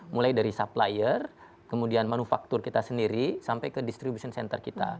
mulai dari supplier kemudian manufaktur kita sendiri sampai ke distribution center kita